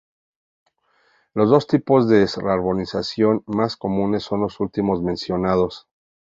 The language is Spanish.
Los dos tipos de arborización más comunes son los últimos mencionados.